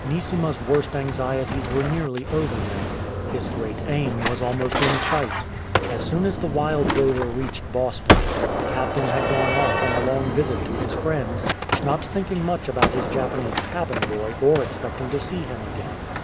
"'' Neesima's worst anxieties were nearly over now. His "great aim'" was almost in sight. As soon as the Wild Rover reached Boston, the captain had gone off on a long visit to his friends, not thinking much about his Japanese cabin boy or expecting to see him again.